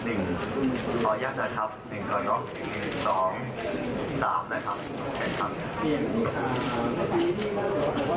เสียงผู้ถามทีที่มาสอบเขาว่าเสียงเกินถึงแล้วนะครับ